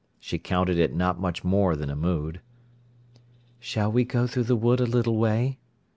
She counted it not much more than a mood. "Shall we go through the wood a little way?"